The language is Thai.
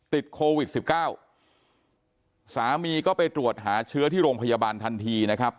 ติดโควิดสิบเก้าสามีก็ไปตรวจหาเชื้อที่โรงพยาบาลทันทีนะครับ